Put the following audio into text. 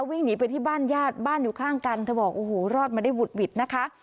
วิ่งหนีไปที่บ้านญาติบ้านอยู่ข้างกันเธอบอกโอ้โหรอดมาได้หุดหวิดนะคะ